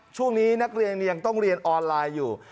ช่วงนี้นักเรียนยังต้องเรียนออนไลน์อยู่